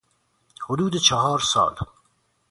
حدود چهار سال